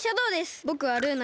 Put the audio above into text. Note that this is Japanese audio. ぼくはルーナで。